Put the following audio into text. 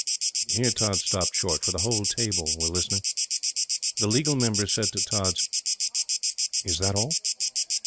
Here Tods stopped short, for the whole table were listening. The Legal Member said to Tods: "Is that all?"